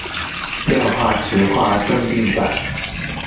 量化質化增訂版